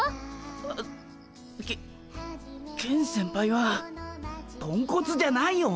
あケケン先輩はポンコツじゃないよ。